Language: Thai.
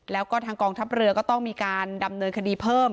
แล้วก็ทางกองทัพเรือก็ต้องมีการดำเนินคดีเพิ่ม